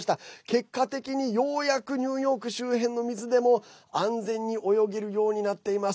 結果的に、ようやくニューヨーク周辺の水でも安全に泳げるようになっています。